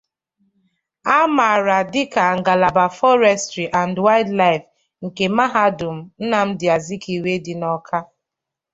a maara dịka ngalaba 'Forestry and Wildlife' nke mahadum Nnamdị Azikiwe University dị n'Awka